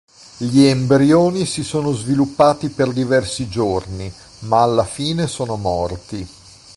Gli embrioni si sono sviluppati per diversi giorni, ma alla fine sono morti.